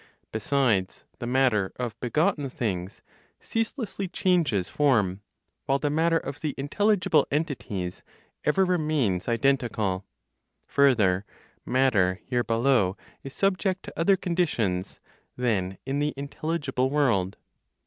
Besides, the matter of begotten things ceaselessly changes form, while the matter of the intelligible entities ever remains identical. Further, matter here below is subject to other conditions (than in the intelligible world).